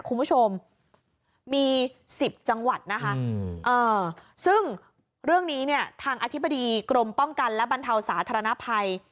คุณผู้ชมมี๑๐จังหวัดนะคะซึ่งเรื่องนี้เนี่ยทางอธิบดีกรมป้องกันและบรรเทาสาธารณภัย